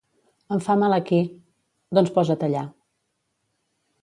—Em fa mal aquí. —Doncs posa't allà.